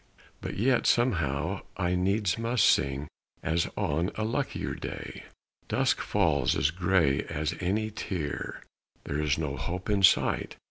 But yet somehow I needs must sing As on a luckier day. Dusk fails as gray as any tear, There is no hope in sight!